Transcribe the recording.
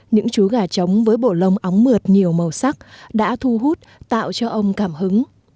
những chú gà trống với bổ lông óng mượt nhiều màu sắc đã thu hút tạo cho ông cảm hứng